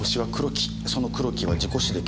その黒木は事故死で決着。